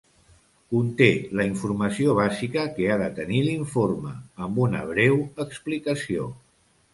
Conté la informació bàsica que ha de tenir l'informe, amb una breu explicació.